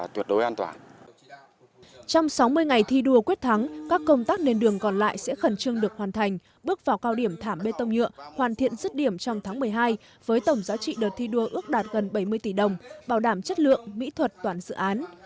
trong sáu mươi ngày thi đua quyết thắng các công tác nền đường còn lại sẽ khẩn trương được hoàn thành bước vào cao điểm thảm bê tông nhựa hoàn thiện dứt điểm trong tháng một mươi hai với tổng giá trị đợt thi đua ước đạt gần bảy mươi tỷ đồng bảo đảm chất lượng mỹ thuật toàn dự án